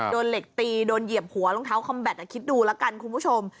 โดนเหล็กตีโดนเหยียบหัวรองเท้าคอมแบตคิดดูแล้วกันคุณผู้ชม